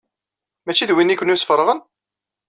Mačči d winna i ken-yesfeṛɣen?